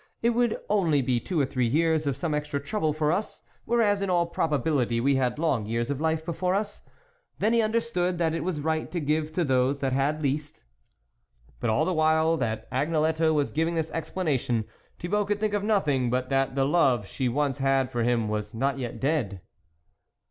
it would only be two or three years of some extra trouble for us, whereas, in all probability we had long years of life before us. Then he understood that it was right to give to those that had least." But all the while that Agnelette was giving this explanation, Thibault could think of nothing but that the love she once had for him was not yet dead."